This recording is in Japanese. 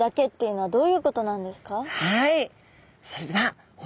はい。